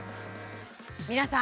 皆さん